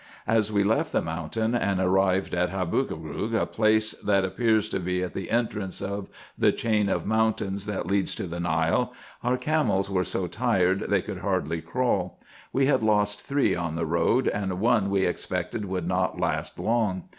As we left the mountain, and arrived at Habookroog, a place that appears to be at the entrance of the chain of mountains that leads to the Nile, our camels were so tired they could hardly crawl : we had lost three on the road, and one we expected would not last long.